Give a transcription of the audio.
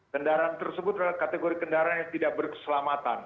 kendaraan tersebut adalah kategori kendaraan yang tidak berkeselamatan